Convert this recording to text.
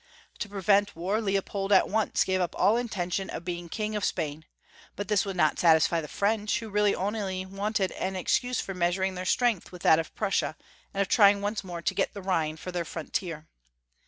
To prevent war, Leopold at once gave up all intention of being King of Spain ; but this would not satisfy the Frencli, who really only wanted an excuse for measuring their strength with that of Prussia, and of trying once more to get the Rhine for their frontier.